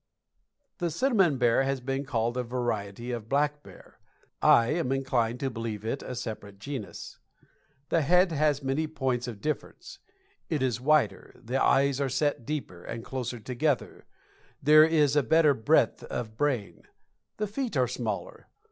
_ The Cinnamon Bear has been called a variety of black bear. I am inclined to believe it a separate genus. The head has many points of difference. It is wider. The eyes are set deeper, and closer together. There is a better breadth of brain. The feet are smaller.